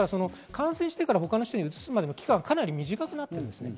感染してから他の人にうつすまでの期間がかなり短いです。